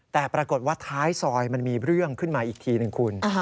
แต่ปรากฏว่าท้ายซอยมันมีเรื่องขึ้นมาอีกทีหนึ่งคุณ